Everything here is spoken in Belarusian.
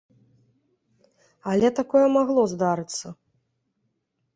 Але такое магло здарыцца.